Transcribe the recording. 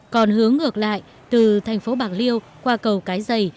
còn hướng ngược lại từ thành phố bạc liêu qua cầu cái giày